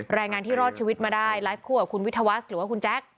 แรงงานที่รอดชีวิตมาได้ไลฟ์คู่กับคุณวิทยาวัฒน์หรือว่าคุณแจ๊ค